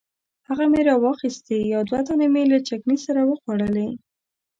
هغه مې راواخیستې یو دوه دانې مې له چکني سره وخوړلې.